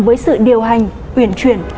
với sự điều hành quyển chuyển